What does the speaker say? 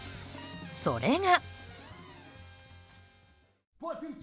それが。